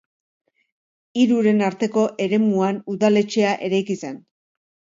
Hiruren arteko eremuan udaletxea eraiki zen.